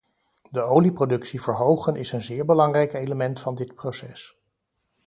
De olieproductie verhogen is een zeer belangrijk element van dit proces.